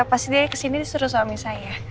pasti dia kesini disuruh suami saya